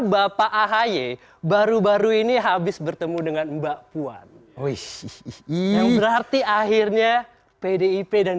bapak ahy baru baru ini habis bertemu dengan mbak puan oh iya berarti akhirnya pdip dan